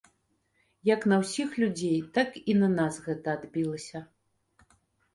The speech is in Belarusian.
Як на ўсіх людзей, так і на нас гэта адбілася.